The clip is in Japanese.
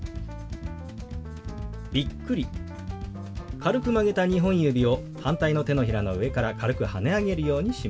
軽く曲げた２本指を反対の手のひらの上から軽くはね上げるようにします。